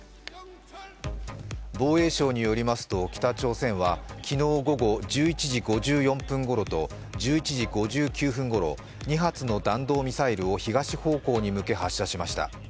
防衛省によりますと、北朝鮮は昨日午後１１時５４分ごろと１１時５９分ごろ、２発の弾道ミサイルを東方向へ向けて発射しました。